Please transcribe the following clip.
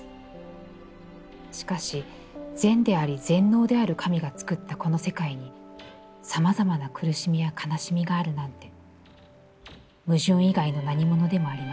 しかし、善であり全能である神が造ったこの世界にさまざまな苦しみや悲しみがあるなんて矛盾以外のなにものでもありません。